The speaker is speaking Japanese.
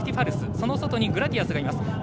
その外にグラティアスがいます。